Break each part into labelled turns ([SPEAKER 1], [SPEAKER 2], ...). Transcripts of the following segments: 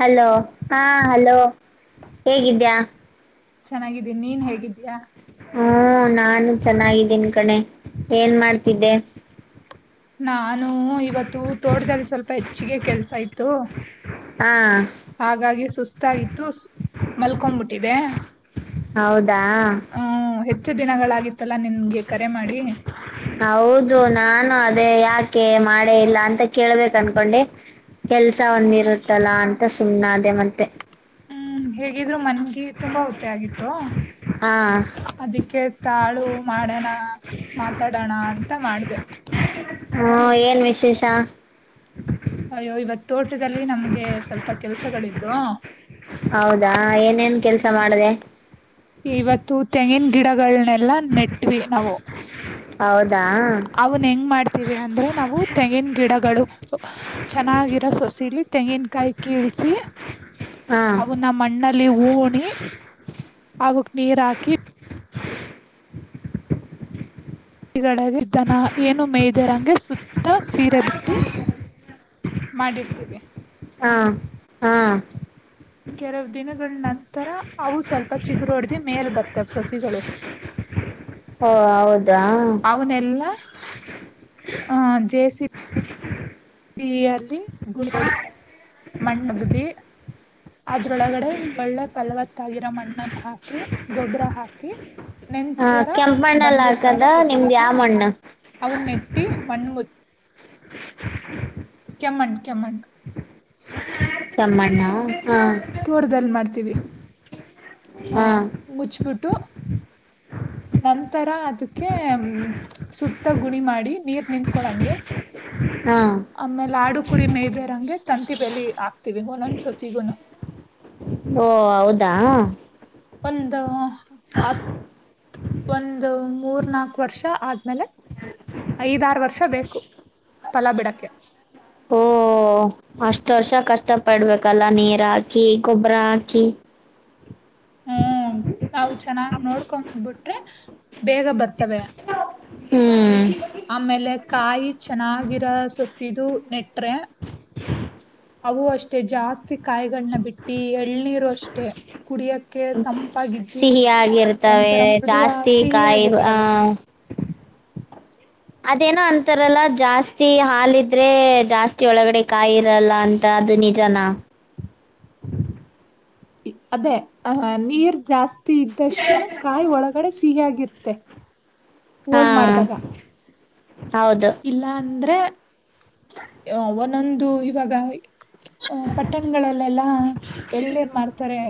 [SPEAKER 1] Hello ಹಾ hello ಹೇಗಿದ್ದ್ಯಾ
[SPEAKER 2] ಚೆನ್ನಾಗಿದ್ದೀನಿ ನೀನ್ ಹೇಗಿದ್ದೀಯಾ
[SPEAKER 1] ಹ್ಮ ನಾನು ಚೆನ್ನಾಗಿದಿನ್ ಕಣೆ ಏನ್ ಮಾಡ್ತಿದ್ದೆ
[SPEAKER 2] ನಾನು ಇವತ್ತು ತೋಟದಲ್ಲಿ ಸ್ವಲ್ಪ ಹೆಚ್ಚಿಗೆ ಕೆಲ್ಸ ಇತ್ತು
[SPEAKER 1] ಹಾ
[SPEAKER 2] ಹಾಗಾಗಿ ಸುಸ್ತಾಗಿತ್ತು ಮಲ್ಕೊಬಿಟ್ಟಿದೆ
[SPEAKER 1] ಹೌದಾ
[SPEAKER 2] ಹೆಚ್ಚು ದಿನಗಳಾಗಿತ್ತಲ್ಲಾ ನಿಮಗೆ ಕರೆ ಮಾಡಿ
[SPEAKER 1] ಹೌದು ನಾನು ಅದೇ ಯಾಕೆ ಮಾಡೇ ಇಲ್ಲ ಅಂತ ಕೇಳ್ಬೇಕ ಅನ್ಕೊಂಡೆ ಕೆಲ್ಸ ಒಂದಿರುತ್ತಲ್ಲಾ ಅಂತ ಸುಮ್ಮ್ನೆ ಆದೇ ಮತ್ತೆ
[SPEAKER 2] ಹ್ಮ್ ಹೇಗಿದ್ರು ಮನ್ಗಿ ತುಂಬಾ ಹೊತ್ತ ಆಗಿತ್ತು
[SPEAKER 1] ಹಾ
[SPEAKER 2] ಅದಕ್ಕೆ ತಾಳು ಮಾಡೋಣ ಮಾತಾಡೋಣ ಅಂತ ಮಾಡ್ದೆ
[SPEAKER 1] ಹಾ ಏನ್ ವಿಶೇಷ
[SPEAKER 2] ಅಯ್ಯೋ ಇವತ್ತ್ ತೋಟದಲ್ಲಿ ನಮ್ಗೆ ಸ್ವಲ್ಪ ಕೆಲ್ಸಗಳಿದ್ದು
[SPEAKER 1] ಹೌದಾ ಏನೇನ್ ಕೆಲ್ಸ ಮಾಡದೆ
[SPEAKER 2] ಗಿಡಗಳನೆಲ್ಲ ನೆಟ್ವಿ ನಾವು
[SPEAKER 1] ಹೌದಾ
[SPEAKER 2] ಅವನ್ ಹೆಂಗ್ ಮಾಡ್ತೀವಿ ಅಂದ್ರೆ ನಾವು ತೆಂಗಿನ್ ಗಿಡ ಗಳು ಚೆನ್ನಾಗಿರೋ ಸೊಸಿಲಿ ತೆಂಗಿನಕಾಯಿ ಕೀಳ್ಸಿ
[SPEAKER 1] ಹಾ
[SPEAKER 2] ಅವನ ಮಣ್ಣಲ್ಲಿ ಉಣಿ ಅವಕ್ ನೀರಾಕಿ ಗ ಇದ್ದಾನ ಏನು ಮೇಯ್ದದೆರ ಹಂಗೆ [unintelligible] ಸುತ್ತ ಸೀರೆ ಬಿಟ್ಟಿ ಮಾಡಿರ್ತೀವಿ
[SPEAKER 1] ಹಾ ಹಾ
[SPEAKER 2] ಕೆಲವು ದಿನಗಳ ನಂತರ ಅವು ಸ್ವಲ್ಪ ಚಿಗರು ಹೊಡ್ದ್ ಮೇಲ್ ಬರ್ತಾವ್ ಸಸಿಗಳು [unintelligible]
[SPEAKER 1] ಓ ಹೌದಾ
[SPEAKER 2] ಹ ಜೇ ಸಿ
[SPEAKER 1] ಹಾ [unintelligible]
[SPEAKER 2] ಇಯಲ್ಲಿ ಗೋಡಿ ಮಣಗ್ದಿ ಅದ್ರೊಳಗಡೆ ಒಳ್ಳೆ ಫಲವತ್ತ ಆಗಿರ ಮಣ್ಣನ್ನು ಹಾಕ ಹಾಕಿ ಗೊಬ್ಬ್ರ ಹಾಕಿ
[SPEAKER 1] ಹ
[SPEAKER 2] ನೆಂತರ
[SPEAKER 1] ಕೆಂಪು ಮಣ್ಣಲ್ಲಿ ಹಾಕದ
[SPEAKER 2] ಬಂದಿರ್ತವಲ್ಲ
[SPEAKER 1] ನಿಮ್ದ್
[SPEAKER 2] ಸಸಿಗಳನ್ನ
[SPEAKER 1] ಯಾವ ಮಣ್ಣು
[SPEAKER 2] ಅವರುನ್ನೆತ್ತಿ ಮಣ್ಣ ಚೆಮ್ಮನ್
[SPEAKER 1] ತಮ್ಮಣ್ಣ ಹಾ
[SPEAKER 2] ತೋಟ್ದಲಿ ಮಾಡ್ತೀವಿ ಹಾ ಮುಚ್ಬಿಟ್ಟು ನಂತರ ಅದಕ್ಕೆ ಸುತ್ತ ಗುಣಿ ಮಾಡಿ ನೀರ್ ನಿತ್ಕೊಳಂಗೆ
[SPEAKER 1] ಹಾ
[SPEAKER 2] ಆಮೇಲೆ ಆಡು ಕುರಿ ಮೇಯ್ದರಂಗೆ ತಂತಿ ಬೆಲಿ ಆಗ್ತಿವಿ ಒಲೊಂದಸಸಿಗುನು
[SPEAKER 1] ಓ ಹೌದಾ
[SPEAKER 2] ಒಂದ್ ಹತ್ ಒಂದು ಮೂರ್ನಾಕ್ ವರ್ಷ ಆ ಮೇಲೆ ಐದಾರು ವರ್ಷ ಬೇಕು ಫಲ ಬಿಡಕೆ.
[SPEAKER 1] ಓ ಅಷ್ಟ್ ವರ್ಷ ಕಷ್ಟ ಪಡ್ಬೇಕಲ್ಲ ನೀರ್ ಹಾಕಿ ಗೊಬ್ಬರ ಹಾಕಿ.
[SPEAKER 2] [unintelligible] ಕೊಂಡ್ ಬಿಟ್ರೆ ಬೇಗ ಬರ್ತವೆ.
[SPEAKER 1] ಹ್ಮ್
[SPEAKER 2] ಆಮೇಲೆ ಕಾಯಿ ಚೆನ್ನಾಗಿರೋ ಸಸಿದು ನೆಟ್ರೆ ಅವು ಅಷ್ಟೇ ಜಾಸ್ತಿ ತಿ ಕಾಯಿಗಳ್ನ ಬಿಟ್ಟಿ ಎಳ್ನೀರು ಅಷ್ಟೆ ಕುಡಿಯಕ್ಕೆ ತಂಪಾಗಿದ್ದಿ
[SPEAKER 1] ಸಿಹಿಯಾಗಿರ್ತವೆ
[SPEAKER 2] ಒಂಥರ ಮೃದುವಾಗ್
[SPEAKER 1] ಜಾಸ್ತಿ ಕಾಯಿ ಆ
[SPEAKER 2] ಸಿಹಿಯಾಗಿರ್ತವೆ.
[SPEAKER 1] ಅದೇನೋ ಅಂತಾರಲ್ಲ ಜಾಸ್ತಿ ಹಾಲ್ ಇದ್ರೆ ಜಾಸ್ತಿ ಒಳಗಡೆ ಕಾಯಿ ಇರಲ್ಲ ಅಂತ. ಅದು ನಿಜನಾ?
[SPEAKER 2] [unintelligible] ಇ ಅದೇ ಅಹ ನೀರ್ ಜಾಸ್ತಿ ಇದ್ದಷ್ಟುನು ಕಾಯಿ ಒಳಗಡೆ ಸಿಹಿಯಾಗಿರುತ್ತೆ
[SPEAKER 1] ಹಾ
[SPEAKER 2] ಹೋಳ್ ಮಾಡ್ದಾಗ.
[SPEAKER 1] ಹೌದು
[SPEAKER 2] ಇಲ್ಲ ಅಂದ್ರೆ ಒನೊಂದು ಇವಾಗ ಹ ಪಟ್ಟಣ್ಗಳಲ್ಲೆಲ್ಲಾ ಎಳನೀರ್ ಮಾರ್ತಾರೆ.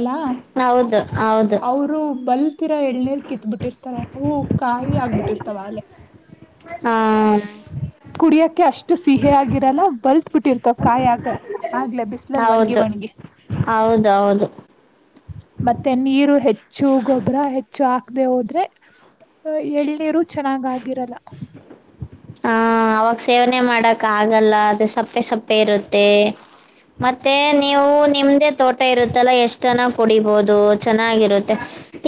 [SPEAKER 2] ಅಲಾ
[SPEAKER 1] ಹೌದು ಹೌದು
[SPEAKER 2] ಅವರು ಬಲ್ ತೀರೋ ಎಳ್ನೀರ್ ಕಿತ್ಬಿಟ್ಟಿರ್ತಾರೆ ಅವು ಕಾಯಿ ಆಗ್ಬಿಟ್ಟಿರ್ತಾವ ಆಲೆ.
[SPEAKER 1] ಹಾ
[SPEAKER 2] ಕುಡಿಯಕ್ಕೆೆ ಅಷ್ಟು ಸಿಹಿ ಆಗಿರಲ್ಲ ಬಲ್ತ್ ಬಿಟ್ಟಿರ್ತವ ಕಾಯಾಗ ಆಗ್ಲೇ ಬಿಸ್ಲಲ್ ಒಣ್ಗಿ
[SPEAKER 1] ಹೌದು
[SPEAKER 2] ಒಣ್ಗಿ.
[SPEAKER 1] ಹೌದೌದು
[SPEAKER 2] ಮತ್ತೆ ನೀರು ಹೆಚ್ಚು ಗೊಬ್ಬರ ಹೆಚ್ಚು ಹಾಕ್ದೆ ಹೋದ್ರೆ ಎಳ್ನೀರು ಚೆನ್ನಾಗಾಗಿರಲ್ಲ.
[SPEAKER 1] ಹ ಅವಾಗ ಸೇವನೆ ಮಾಡಕ್ ಆಗಲ್ಲ ಅದು ಸಪ್ಪೆ ಸಪ್ಪೆ ಇರುತ್ ತ್ತೆ ಮತ್ತೆ ನೀವು ನಿಮ್ದೇ ತೋಟ ಇರುತ್ತಲ್ಲ ಎಷ್ಟಾನ ಕುಡಿಬೋದು ಚೆನ್ನಾಗಿರುತ್ತೆ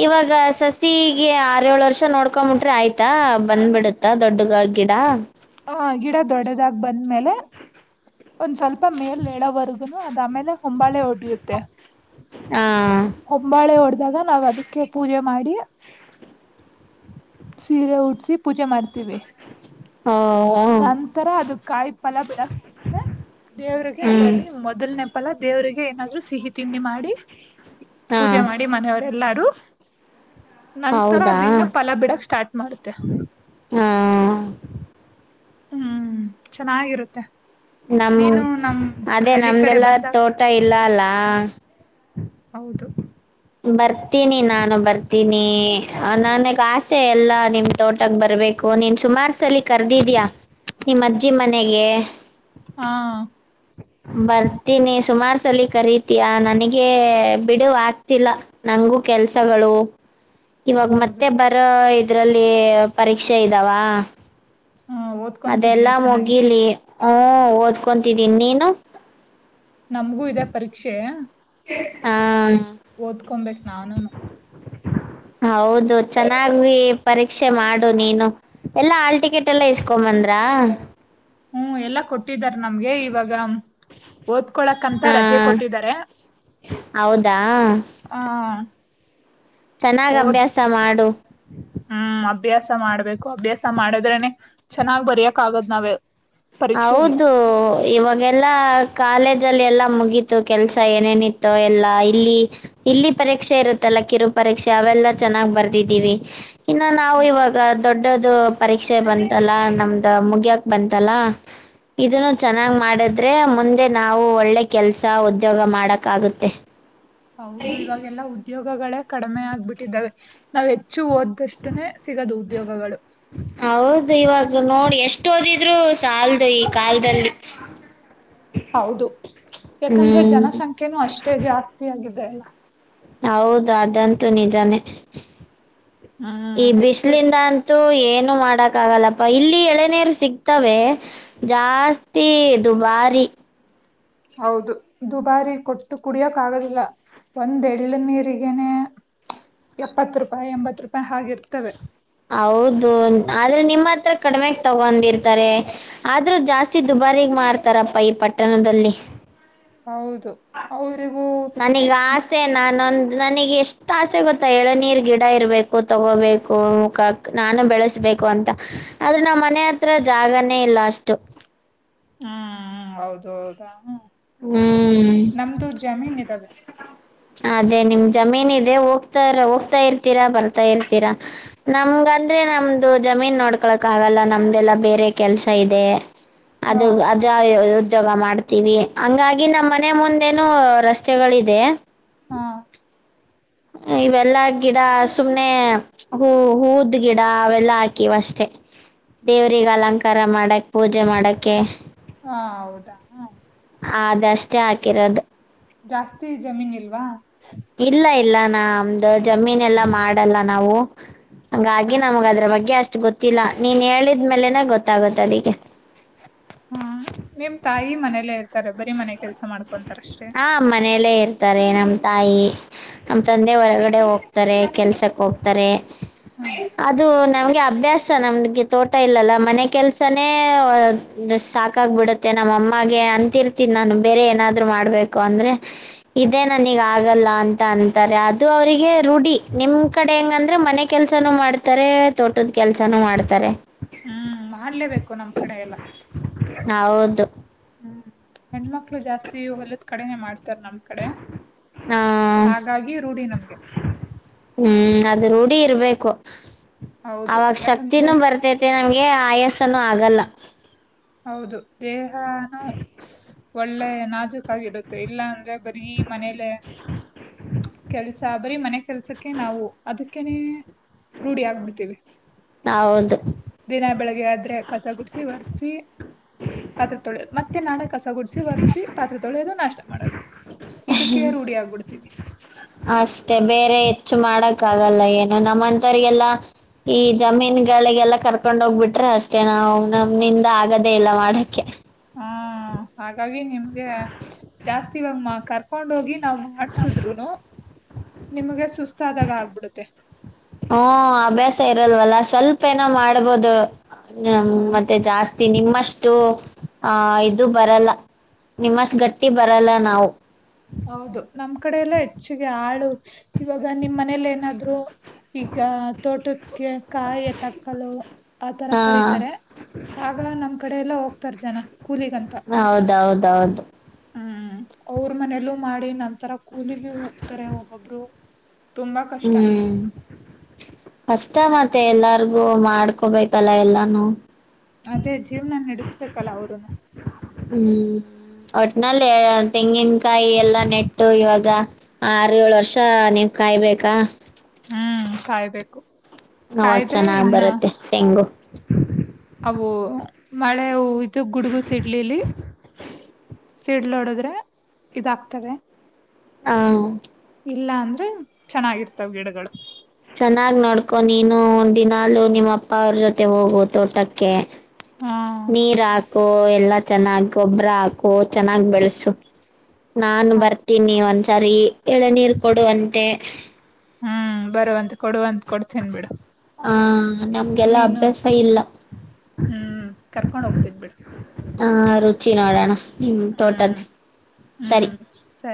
[SPEAKER 1] ಇವಾಗ ಸಸಿ ಹೀಗೆ ಆರೇಳ್ ವರ್ಷ ನೋಡ್ಕೊಂಬಿಟ್ರಿ ಆಯ್ತಾ ಬಂದ್ಬಿಡುತ್ತ ದೊಡ್ಡಗ ಗಿಡ?
[SPEAKER 2] ಹ ಗಿಡ ದೊಡ್ಡದಾಗ ಬಂದ್ಮೇಲೆ ಒಂದ್ ಸ್ವಲ್ಪ ಮೇಲ್ ಏಳವರ್ಗುನು ಅದಮೇಲ್ ಹೊಂಬಾಳೆ ಹೊಡಿಯುತ್ತೆ.
[SPEAKER 1] ಹಾ
[SPEAKER 2] ಹೊಂಬಾಳೆ ಹೊಡ್ದಾಗ ನಾವ್ ಅದಕ್ಕೆ ಪೂಜೆ ಮಾಡಿ ಸೀರೆ ಉಡ್ಸಿ ಪೂಜೆ ಮಾಡ್ತೀವಿ.
[SPEAKER 1] ಓ
[SPEAKER 2] ನಂತರ ಅದು ಕಾಯಿ ಫಲ ಬಿಡಕ್ ಆದ್ಮೇಲೆ ದೇವ್ರಿಗೆ
[SPEAKER 1] ಹ್ಮ್
[SPEAKER 2] ಅದ್ರಲ್ಲಿ ಮೊದಲನೇ ಫಲ್ಲ ದೇವರಿಗೆ ಏನಾದ್ರು ಸಿಹಿ ತಿಂಡಿ ಮಾಡಿ
[SPEAKER 1] ಹಾ
[SPEAKER 2] ಪೂಜೆ ಮಾಡಿ ಮನೆಯವರೆ ಎಲ್ಲಾರು ನಂತರ
[SPEAKER 1] ಹೌದಾ
[SPEAKER 2] ಅದಿನ್ನು ಫಲ ಬಿಡಕ್ ಸ್ಟಾರ್ಟ್ ಮಾಡುತ್ತೆ.
[SPEAKER 1] ಹಾ
[SPEAKER 2] ಹ್ಮ್ ಚೆನ್ನಾಗಿರುತ್ತೆ.
[SPEAKER 1] ನಮ್
[SPEAKER 2] ನೀನು ನಮ್
[SPEAKER 1] ಅದೇ
[SPEAKER 2] ಹಳ್ಳಿ ಕಡೆ
[SPEAKER 1] ನಮ್ದೆಲ್ಲಾ
[SPEAKER 2] ಬಂದಾಗ
[SPEAKER 1] ತೋಟ ಇಲ್ಲ ಅಲ್ಲ
[SPEAKER 2] ಹೌದು.
[SPEAKER 1] ಬರ್ತೀನಿ ನಾನು ಬರ್ತೀನಿ ನನಗ್ ಆಸೆ ಎಲ್ಲಾ ನಿಮ್ ತೋಟಕ್ ಬರ್ಬೇಕ ಬೇಕು ನೀನ್ ಸುಮಾರ್ ಸಲ ಕರ್ದಿದಿಯ ನಿಮ್ಮಜ್ಜಿ ಮನೆಗೆ
[SPEAKER 2] ಹಾ
[SPEAKER 1] ಬರ್ತೀನಿ ಸುಮಾರ್ ಸಲ ಕರೀತೀಯಾ ನನಗ್ ಗೇ ಬಿಡು ಆಗ್ತಿಲ್ಲ ನಂಗು ಕೆಲ್ಸಗಳು ಇವಾಗ
[SPEAKER 2] ಹೌದು
[SPEAKER 1] ಮತ್ತೆ ಬರೋ ಇದ್ರಲ್ಲಿ ಪರೀಕ್ಷೆ ಇದಾವಾ?
[SPEAKER 2] ಹಾ ಓದ್ಕೊಂತಿದ್ಯಾ
[SPEAKER 1] ಅದೆಲ್ಲಾ
[SPEAKER 2] ಚೆನ್ನಾಗಿ?
[SPEAKER 1] ಮುಗಿಲಿ ಹ್ಮೂ ಓದ್ಕೊಂತಿದ್ದೀನಿ ನೀನು?
[SPEAKER 2] ನಮ್ಗೂ ಇದೆ ಪರೀಕ್ಷೆ.
[SPEAKER 1] ಹಾ
[SPEAKER 2] ಓದ್ಕೊಬೇಕ್ ನಾನುನು.
[SPEAKER 1] ಹೌದು ಚೆನ್ನಾಗಿ ಪರೀಕ್ಷೆ ಮಾಡು ನೀನು. ಎಲ್ಲಾ ಹಾಲ್ ಟಿಕೆಟ್ ಎಲ್ಲ ಇಸ್ಕೊಂಬಂದ್ರ.
[SPEAKER 2] ಹ್ಮ್ ಎಲ್ಲಾ ಕೊಟ್ಟಿದಾರ್ ನಮ್ಗೆ ಇವಾಗ ಓದ್ಕೊಳಕ್ಂತ ರಜೆ
[SPEAKER 1] ಹಾ
[SPEAKER 2] ಕೊಟ್ಟಿದ್ದಾರೆ
[SPEAKER 1] ಹೌದಾ
[SPEAKER 2] ಆ
[SPEAKER 1] ಚೆನ್ನಾಗ್
[SPEAKER 2] ಓದ್
[SPEAKER 1] ಅಭ್ಯಾಸ ಮಾಡು
[SPEAKER 2] ಹ್ಮ್ ಅಭ್ಯಾಸ ಮಾಡ್ಬೇಕು ಅಭ್ಯಾಸ ಮಾಡದ್ರನೆ ಚೆನ್ನಾಗ್ ಬರಿಯಕ್ ಆಗದ್ ನಾವೇ
[SPEAKER 1] ಹೌದು ಇವಾಗೆಲ್ಲಾ ಕಾಲೇಜ್ ಜಲ್ಲಿ ಎಲ್ಲ ಮುಗಿತು ಕೆಲಸ ಏನೇನ್ ಇತ್ತು ಎಲ್ಲ ಇಲ್ಲಿ ಇಲ್ಲಿ ಪರೀಕ್ಷೆ ಇರುತ್ತಲ್ಲ ಕಿರು ಪ ಪರೀಕ್ಷೆ ಅವೆಲ್ಲ ಚೆನ್ನಾಗ್ ಬರ್ದಿದ್ದೀವಿ ಇನ್ನು ನಾವು ಇವಾಗ ದೊಡ್ಡದು ಪರೀಕ್ಷೆ ಬಂತಲ್ಲಾ ನಮ್ದ ಮುಗಿಯಕ್ ಬಂತಲ್ಲ
[SPEAKER 2] [inaudible]
[SPEAKER 1] ಇದನ್ನು ಚೆನ್ನಾಗ್ ಮಾಡಿದ್ರೆ ಮುಂದೆ ನಾವು ಒಳ್ಳೆ ಕೆಲ್ಸ ಉದ್ಯೋಗ ಮಾಡಕಾಗುತ್ತೆ
[SPEAKER 2] ಹೌದು ಇವಾಗೆಲ್ಲಾ ಉದ್ಯೋಗಗಳೇ ಕಡಿಮೆ ಆಗ್ಬಿಟ್ಟಿದ್ದಾವೆ ನಾವ್ ಹೆಚ್ಚು ಓದಷ್ಟುನೆ ಸಿಗದು ಉದ್ಯೋಗಗಳು
[SPEAKER 1] ದು ನೋಡಿ ಎಷ್ಟ್ ಓದಿದ್ರು ಸಾಲ್ದು ಈ ಕಾಲದಲ್ಲಿ
[SPEAKER 2] ಹೌದು ಯಾಕಂದ್ರೆ
[SPEAKER 1] ಹ್ಮ್
[SPEAKER 2] ಜನಸಂಖ್ಯೆನೂ ಅಷ್ಟೇ ಜಾಸ್ತಿ ಆಗಿದೆ ಅಲ್ಲ
[SPEAKER 1] ಹೌದು ಅದಂತೂ ನಿಜಾನೇ
[SPEAKER 2] ಹ್ಮ್
[SPEAKER 1] ಈ
[SPEAKER 2] ಹೆಚ್ಚು
[SPEAKER 1] ಬಿಸಿಲಿಂದ ಅಂತೂ ಎ ಏನು ಮಾಡಕ್ ಆಗಲ್ಲ ಇಲ್ಲಿ ಎಳೆನಿರು ಸಿಗ್ತವೆ ಜಾಸ್ತಿ ದುಬಾರಿ ರಿ
[SPEAKER 2] ಹೌದು ದುಬಾರಿ ಕೊಟ್ಟು ಕುಡಿಯಕ್ ಆಗದಿಲ್ಲ ಒಂದ್ ಎಳ್ ನೀರಿಗೆನೆ ಎಪ್ಪತ್ ರೂಪಾಯಿ ಎಂಬತ್ ರೂಪಾಯಿ ಹಾಗಿರ್ತ
[SPEAKER 1] ಹೌದು ಆದ್ರೆ ನಿಮ್ ತ್ ತ್ರ ಕಡಿಮೆಗ್ ತಗೊಂಡಿರ್ತಾರೆ ಆದ್ರೂ ಜಾಸ್ತಿ ದುಬಾರಿಗ್ ಮಾರ್ತಾರಪ್ಪ ಈ ಪಟ್ಟಣದಲ್ಲಿ
[SPEAKER 2] [inaudible] ಹೌದು ಅವ್ರಿಗೂ
[SPEAKER 1] ನನೀಗ್ ಆಸೆ ನಾನೊಂದ್ ನನಿಗೆ ಎಷ್ಟ್ ಆಸೆ ಗೊತ್ತಾ ಎಳನೀರ್ ಗಿಡ ಇರ್ಬೇಕು ತಗೋಬೇಕು ಮುಖಕ್ ನಾನು ಬೆಳೆಸ್ಬೇಕ್ ಬೇಕು ಅಂತ ಆದ್ರೆ ನಮ್ ಮನೆ ಹತ್ರ ಜಾಗನೇ ಇಲ್ಲ ಅಷ್ಟು
[SPEAKER 2] ಹಾ ಹ ಹೌದು ಹೌದಾ ಹ
[SPEAKER 1] ಹ್ಮ್
[SPEAKER 2] ನಮ್ದು ಜಮೀನ್ ಇದವೆ
[SPEAKER 1] ಅದೇ ನಿಮ್ ಜಮೀನ್ ಇದೆ ಹೋಗ್ತಾರ ಹೋಗ್ತಾ ಇರ್ತೀರಾ ಬರ್ತಾ ಇರ್ತೀರಾ ನಮ್ಗ್ ಅಂದ್ರೆ ನಮ್ದು ಜಮೀನ್ ನೋಡ್ಕೊಳಾಕ್ ಆಗಲ್ಲ ನಮ್ದೆಲ್ಲ ಬೇರೆ ಕೆಲ್ಸ ಇದೆ
[SPEAKER 2] ಹಾ
[SPEAKER 1] ಅದು ಅದ ಉದ್ಯೋಗ ಮಾಡ್ತೀವಿ ಹಂಗಾಗಿ ನಮ್ಮ್ ಮನೆ ಮುಂದೇನು ರಸ್ತೆಗಳಿದೆ
[SPEAKER 2] ಹಾ [inaudible]
[SPEAKER 1] ಇವೆಲ್ಲಾ ಗಿಡ ಸುಮ್ನೆ ಹೂ ಹೂದ್ ಗಿಡ ಅವೆಲ್ಲಾ ಹಾಕಿವ್ ಅಷ್ಟೇ ದೇವ್ರಿಗೆ ಅಲಂಕಾರ ಮಾಡಕ್ ಪೂಜೆ ಮಾಡಕೆ
[SPEAKER 2] ಹಾ ಹೌದಾ
[SPEAKER 1] ಹಾ ಅದಷ್ಟೇ ಹಾಕಿರೋದು
[SPEAKER 2] ಜಾಸ್ತಿ ಜಮೀನ್ ಇಲ್ವಾ
[SPEAKER 1] ಇಲ್ಲ ಇಲ್ಲ ನ ನಮ್ದು ಜಮೀನ್ ಎಲ್ಲಾ ಮಾಡಲ್ಲ ನಾವು ಹಂಗಾಗಿ ನಮಗ್ ಅದ್ರ ಬಗ್ಗೆ ಅಷ್ಟ್ ಗೊತ್ತಿಲ್ಲ ನೀನ್ ಹೇಳಿದ್ಮೇಲೆನೆ ಗೊತ್ತಾಗು
[SPEAKER 2] ಹ್ಮ ನಿಮ್ ತಾಯಿ ಮನೇಲೆ ಇರ್ತಾರೆ ಬರೀ ಮನೆಗೆ ಕೆಲ್ಸ ಮಾಡ್ಕೊಂತಾರಷ್ಟೇ
[SPEAKER 1] ರೆ ನಮ್ ತಾಯಿ ನಮ್ ತಂದೆ ಹೊರಗಡೆ ಹೋಗ್ತಾರೆ ಕೆಲ್ಸಕ್ ಹೋಗ್ತಾರೆ
[SPEAKER 2] ಹ್ಮ್
[SPEAKER 1] ಅದು ನಮ್ಗೆ ಅಭ್ಯಾಸ ನಮ್ಗೆ ತೋಟ್ ತ ಇಲ್ಲಲ್ಲ ಮನೆ ಕೆಲ್ಸನೇ ಸ್ ಸಾಕಾಗ್ಬಬಿಡುತ್ತೆ ನಮ್ಮ ಅಮ್ಮಗೆ ಅಂತಿರ್ತೀನ್ ನಾನು ಬೇರೆ ಏನಾದ್ರು ಮಾಡ್ಬೇಕು ಅಂದ್ರೆ ಇದೆ ನನಿಗ್ ಆಗಲ್ಲ ಅಂತ ಅಂತಾರೆ ಅದು ಅವರಿಗೆ ರೂಢಿ ನಿಮ್ ಕಡೆ ಹೆಂಗ್ ಅಂದ್ರೆ ಮನೆ ಕೆಲ್ಸಾನು ಮಾಡ್ತಾರೆ ತೋಟದ್ ಕೆಲ್ಸಾನು ಮಾಡ್ತಾರೆ
[SPEAKER 2] ಹ್ಮ್ ಮಾಡ್ಲೇಬೇಕು ನಮ್ ಕಡೆ ಎಲ್ಲ
[SPEAKER 1] ಹೌದು
[SPEAKER 2] ಹೆಣ್ಮಕ್ಕಳು ಜಾಸ್ತಿ ಹೊಲದ ಕಡೆನೆ ಮಾಡ್ತ್ ತ್ತರ್ ನಮ್ ಕಡೆ
[SPEAKER 1] ಆ
[SPEAKER 2] ಹಾಗಾಗಿ ರೂಢಿ ನಮಗೆ
[SPEAKER 1] ಹ್ಮ್ ಅದು ರೂಢಿ ಇರ್ಬೇಕು ಅವಾಗ
[SPEAKER 2] ಯಾಕಂದ್ರೆ
[SPEAKER 1] ಶಕ್ತಿನೂ ಬರ್ತೈತಿ ಗೆ ಆಯಸನೂ ಆಗಲ್ಲ
[SPEAKER 2] ಹೌದು ದೇಹಾನೂ ಒಳ್ಳೆ ನಾಜುಕಾಗಿರುತ್ತೆ ಇಲ್ಲ ಅಂದ್ರೆ ಬರೀ ಮನೇಲೆ ಕೆಲಸ ಬರೀ ಮನೆ ಕೆಲಸಕ್ಕೆ ನಾವು ಅದಕ್ಕೆನೆೇ ರೂಢಿ ಆಗ್ಬಿಡ್ತೀವಿ
[SPEAKER 1] ಹೌದು
[SPEAKER 2] ದಿನಾ ಬೆಳಗ್ಗೆ ಆದ್ರೆ ಕಸ ಗುಡಿಸಿ ಒರ್ಸಿ ಪಾತ್ರೆ ತೊಳೆಯೋದು ಮತ್ತೆ ನಾಳೆ ಕಸ ಗುಡಸಿ ಒರ್ಸಿ ಪಾತ್ರೆ ತೊಳೆಯೋದು ನಾಷ್ಟ ಮಾಡೋದು.
[SPEAKER 1] ಹ್
[SPEAKER 2] ಇದಕ್ಕೆ ರೂಢಿ ಆಗ್ಬಿಡ್ತೀವಿ
[SPEAKER 1] ಅಷ್ಟೇ ಬೇರೆ ಹೆಚ್ ಮಾಡಕ್ ಆಗಲ್ಲ ಏನು ನಮ್ಮಂತರಿಗೆಲ್ಲಾ ಈ ಜಮೀನ್ ಗಳಿಗೆಲ್ಲಾ ಕರ್ಕೊಂಡ್ ಹೋಗ್ಬಿಟ್ರೆ ಅಷ್ಟೇ ನಾವು ನಮ್ಮಿಂದ ಆಗದೇ ಇಲ್ಲ ಮಾಡಕ್ಕೆ
[SPEAKER 2] ಹಾ ಹಾಗಾಗಿ ನಿಮಗೆ ಜಾಸ್ತಿ ಇವಾಗ ನಾವು ಕರ್ಕೊಂಡ್ ಹೋಗಿ ನಾವ್ ಮಾಡ್ಸುದ್ರುನು ನಿಮ್ಗೆಷ್ಟ್
[SPEAKER 1] ಹಾ ಅಭ್ಯಾಸ ಇರಲ್ವಲ್ಲ ಸ್ವಲ್ಪ ಏನೋ ಮಾಡ್ಬೋದು. ಹ ಮತ್ತೆ ಜಾಸ್ತಿ ನಿಮ್ಮಷ್ಟು ಆ ಇದು ಬರಲ್ಲ. ನಿಮ್ಮಷ್ಟು ಗಟ್ಟಿ ಬರಲ್ಲ ನಾವು
[SPEAKER 2] ಹೌದು ನಮ್ ಕಡೆ ಎಲ್ಲ ಹೆಚ್ಚಿಗೆ ಆಳು ಇವಾಗ ನಿಮ್ ಮನೇಲಿ ಏನಾದ್ರು ಈಗ ತೋಟದುಕ್ಕೆ ಕಾಯಿ ಹೆತ್ತಕ್ಕಲು ಆತರ
[SPEAKER 1] ಹಾ
[SPEAKER 2] ಕರೀತಾರೆ ಆದರೆ ನಮ್ ಕಡೆ ಎಲ್ಲಾ ಹೋಗ್ತಾರೆ ಜನ ಕೂಲಿಗಂತ
[SPEAKER 1] ಹೌದೌದೌದು
[SPEAKER 2] ಹ್ಮ್ ಅವರು ಮನೆಲ್ಲೂ ಮಾಡಿ ನಂತರ ಕೂಲಿಗೆ ಹೋಗ್ತಾರೆ ಒಬ್ಬೊಬ್ರು ತುಂಬಾ ಕಷ್ಟ
[SPEAKER 1] ಹ್ಮ್ ಕಷ್ಟ ಮಾತ್ ಮತ್ತೆ ಎಲ್ಲಾರ್ಗು ಮಾಡ್ಕೊಬೇಕಲ್ಲ ಎಲ್ಲಾನು
[SPEAKER 2] ಅದೇ ಜೀವನ ನಡೆಸ್ಬೇಕಲ್ಲ ಅವ್ರನ್ನು
[SPEAKER 1] ಹ್ಮ್ ಒಟ್ಟನಲ್ಲಿ ತೆಂಗಿನಕಾಯಿ ಎಲ್ಲಾ ನೆಟ್ಟು ಇವಾಗ ಆರು ಏಳ್ ವರ್ಷ ನಿ ಕಾಯ್ಬೇಕಾ
[SPEAKER 2] ಹ್ಮ್ ಕಾಯ್ಬೇಕು
[SPEAKER 1] ಅವಾಗ
[SPEAKER 2] ಕಾಯ್ದ್ರೆ
[SPEAKER 1] ಚೆನ್ನಾಗ್
[SPEAKER 2] ಇನ್ನ
[SPEAKER 1] ಬರುತ್ತೆ ತೆಂಗು
[SPEAKER 2] ಅವು ಮಳೆ ಹೊಯ್ದು ಗುಡುಗು ಸಿಡ್ಲಿಲ್ಲಿ ಸಿಡಿಲು ಹೊಡೆದ್ರೆ ಇದಾಗಕ್ತವೆ.
[SPEAKER 1] ಹಾ
[SPEAKER 2] ಇಲ್ಲ ಅಂದ್ರೆ ಚೆನ್ನಾಗಿರ್ತಾವೆ ಗಿಡಗಳು
[SPEAKER 1] ಚೆನ್ನಾಗ್ ನೋಡ್ಕೊ ನೀನು ದಿನಲೂ ನಿಮ್ಮ ಅಪ್ಪ ಅವರು ಜೊತೆ ಹೋಗು ತೋಟಕ್ಕೆ.
[SPEAKER 2] ಹಾ
[SPEAKER 1] ನೀರ್ ಹಾಕು ಎಲ್ಲಾ ಚೆನ್ನಾಗ ಗೊಬ್ಬರ ಹಾಕು ಚೆನ್ನಾಗ್ ಬೆಳೆಸು ನಾನು
[SPEAKER 2] ಅದ್
[SPEAKER 1] ಬರ್ತೀನಿ ಒಂದ್ಸರಿ ಎಳೆನೀರ್ ಕೊಡುವಂತೆ
[SPEAKER 2] ಹ್ಮ್ ಬರುವಂತೆ ಕೊಡುವಂತೆ ಕೊಡ್ತೀನ್ ಬಿಡು
[SPEAKER 1] ಹಾ ನಮಗೆಲ್ಲ
[SPEAKER 2] ನೀನು
[SPEAKER 1] ಅಭ್ಯಾಸ ಇಲ್ಲ
[SPEAKER 2] ಹ್ಮ್ ಕರ್ಕೊಂಡ್ ಹೋಗ್ತೀನ್ ಬಿಡು
[SPEAKER 1] ಹಚ್ಚಿ ನೋಡೋಣ ನಿಮ್
[SPEAKER 2] ಹ್ಮ್
[SPEAKER 1] ತೋಟದು ಸರಿ
[SPEAKER 2] ಹ್ಮ್ ಸರಿ